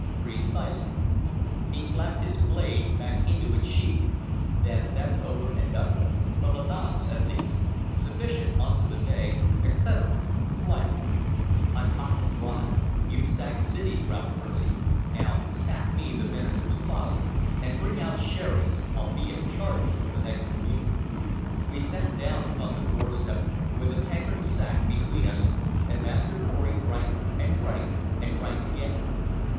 "Precisely." He slapped his blade back into its sheath. "Then that's over and done with, for the nonce at least! Sufficient unto the day, etcetera. 'S life! I'm hot and dry! You've sacked cities, Ralph Percy; now sack me the minister's closet and bring out his sherris I'll be at charges for the next communion." We sat us down upon the doorstep with a tankard of sack between us, and Master Pory drank, and drank, and drank again.